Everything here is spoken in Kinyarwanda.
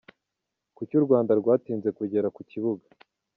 Kuki u Rwanda rwatinze kugera ku kibuga?.